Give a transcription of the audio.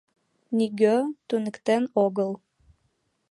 Нигӧ туныктен огыл.